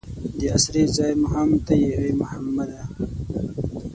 د اسرې ځای مو هم ته یې ای محمده.